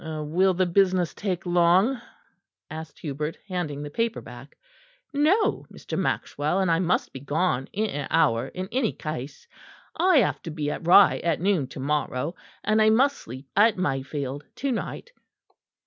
"Will the business take long?" asked Hubert, handing the paper back. "No, Mr. Maxwell; and I must be gone in an hour in any case. I have to be at Rye at noon to morrow; and I must sleep at Mayfield to night."